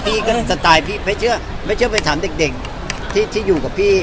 พี่ก็สไตล์พี่ไม่เชื่อไปถามเด็กที่อยู่กับพี่